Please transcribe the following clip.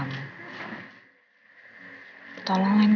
belum masih ada trailator sama neneng